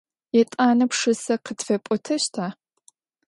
Yêt'ane pşşıse khıtfep'oteşta?